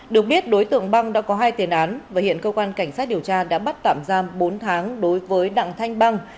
được biết đối tượng băng đã có hai tiền án và hiện cơ quan cảnh sát điều tra đã bắt tạm giam bốn tháng đối với đặng thanh băng